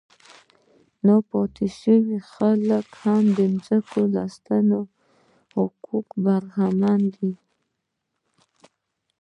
نور پاتې شوي خلک هم د ځمکو له سنتي حقونو برخمن دي.